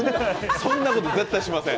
そんなこと絶対しません。